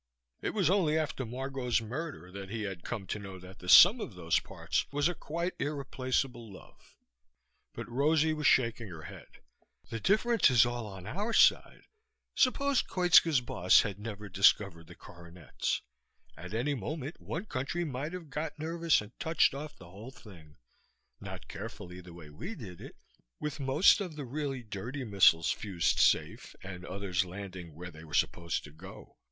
It was only after Margot's murder that he had come to know that the sum of those parts was a quite irreplaceable love. But Rosie was shaking her head. "The difference is all on our side. Suppose Koitska's boss had never discovered the coronets. At any moment one country might have got nervous and touched off the whole thing not carefully, the way we did it, with most of the really dirty missiles fused safe and others landing where they were supposed to go.